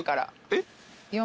えっ？